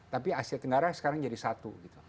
tapi asia tenggara sekarang jadi satu gitu